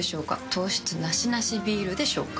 糖質ナシナシビールでしょうか？